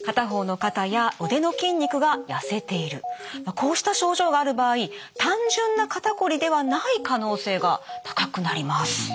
こうした症状がある場合単純な肩こりではない可能性が高くなります。